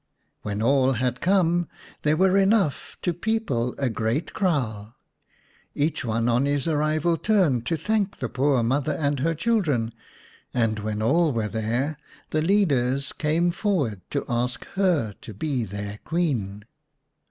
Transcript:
When all had come there were enough to people a great kraal. Each one on his arrival turned to thank the poor mother and her children, and when all were there the leaders came forward to ask her to be their Queen.